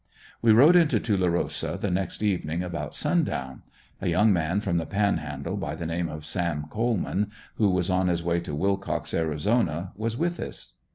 We rode into Tulerosa the next evening about sundown. A young man from the Panhandle, by the name of Sam Coleman, who was on his way to Willcox, Arizona, was with us.